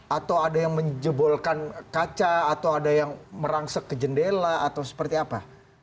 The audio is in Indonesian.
atau ada yang menjebolkan kaca atau ada yang merangsek ke jendela atau seperti apa